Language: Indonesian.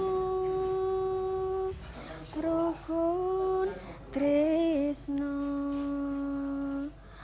itu telah ia elogi dalam ribuan orang